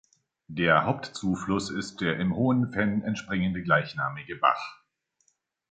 Der Hauptzufluss ist der im Hohen Venn entspringende gleichnamige Bach.